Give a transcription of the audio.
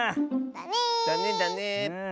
だねだね！